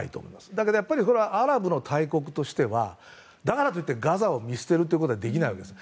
だけど、アラブの大国としてはだからといってガザを見捨てることはできないわけです。